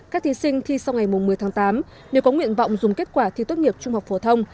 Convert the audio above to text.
các thí sinh thi sau ngày một mươi tháng tám nếu có nguyện vọng dùng kết quả thi tốt nghiệp trung học phổ thông